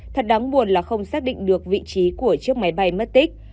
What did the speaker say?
thật đáng buồn là không xác định được vị trí của chiếc máy bay mất tích